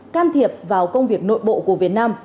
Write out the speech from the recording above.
can thiệp vào công việc nội bộ của việt nam